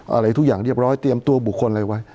อะไรทุกอย่างเรียบร้อยเตรียมตัวบุคคลอะไรไว้